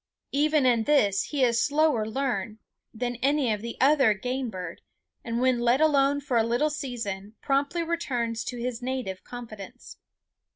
Even in this he is slower learn than any other game bird, and when let alone for a little season promptly returns to his native confidence.